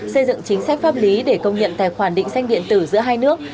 xây dựng chính sách pháp lý để công nhận tài khoản định danh điện tử giữa hai nước